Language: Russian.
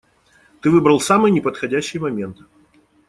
Ты выбрал самый неподходящий момент.